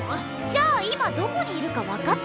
じゃあ今どこにいるか分かってる？